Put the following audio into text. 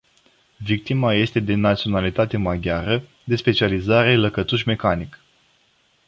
Victima este de naționalitate maghiară, de specializare lăcătuș mecanic.